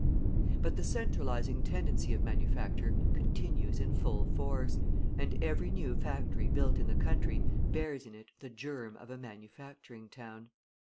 But the centralising tendency of manufacture continues in full force, and every new factory built in the country bears in it the germ of a manufacturing town.